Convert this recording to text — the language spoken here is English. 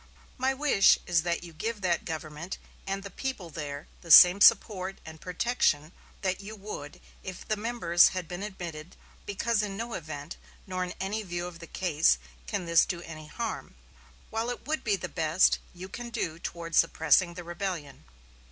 My wish is that you give that government and the people there the same support and protection that you would if the members had been admitted, because in no event, nor in any view of the case, can this do any harm, while it will be the best you can do toward suppressing the rebellion."